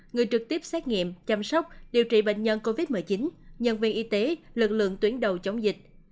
người trực tiếp xét nghiệm chăm sóc điều trị bệnh nhân covid một mươi chín nhân viên y tế lực lượng tuyến đầu chống dịch